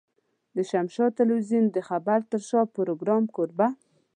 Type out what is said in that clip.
د شمشاد ټلوېزيون د خبر تر شا پروګرام کوربه.